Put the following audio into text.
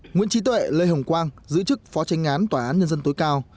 nguyễn trí tuệ lê hồng quang giữ chức phó tranh án tòa án nhân dân tối cao